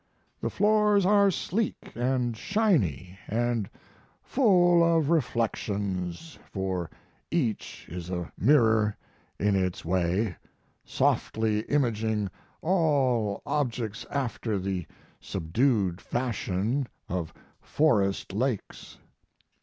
The floors are sleek & shiny & full of reflections, for each is a mirror in its way, softly imaging all objects after the subdued fashion of forest lakes.